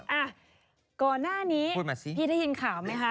อ่ะก่อนหน้านี้พี่ได้ยินข่าวไหมคะ